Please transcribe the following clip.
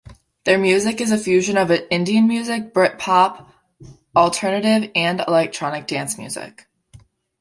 Their music is a fusion of Indian music, Britpop, alternative and electronic dance music.